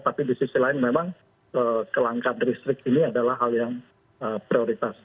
tapi di sisi lain memang kelangkaan listrik ini adalah hal yang prioritas